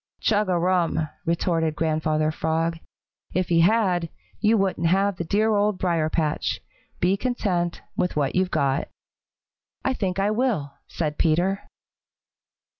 "Chug a rum!" retorted Grandfather Frog. "If he had, you wouldn't have the dear Old Briar patch. Be content with what you've got," "I think I will," said Peter.